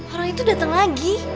orang itu dateng lagi